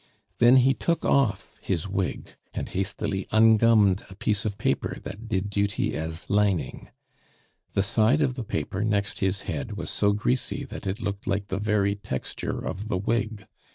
Then he took off his wig, and hastily ungummed a piece of paper that did duty as lining. The side of the paper next his head was so greasy that it looked like the very texture of the wig.